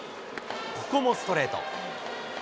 ここもストレート。